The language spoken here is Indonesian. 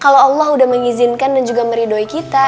kalau allah udah mengizinkan dan juga meridoi kita